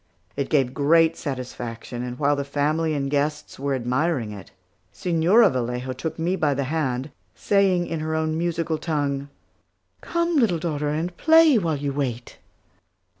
It gave great satisfaction; and while the family and guests were admiring it, Señora Vallejo took me by the hand, saying in her own musical tongue, "Come, little daughter, and play while you wait."